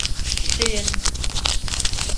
Hüseyin!